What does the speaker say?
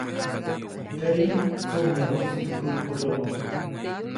Teʼyi, tsuʼŋyajuʼtsi teʼ kupkuʼyomoʼ.